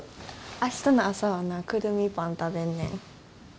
明日の朝はなくるみパン食べんねん。